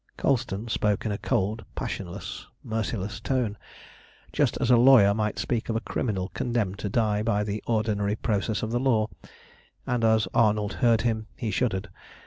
Colston spoke in a cold, passionless, merciless tone, just as a lawyer might speak of a criminal condemned to die by the ordinary process of the law, and as Arnold heard him he shuddered.